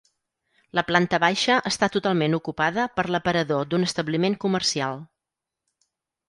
La planta baixa està totalment ocupada per l'aparador d'un establiment comercial.